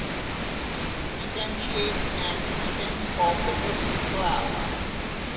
Instantiate an instance of the Person class.